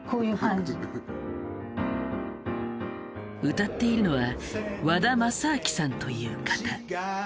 歌っているのは和田昌昭さんという方。